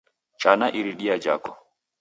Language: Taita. Chana iridia jhako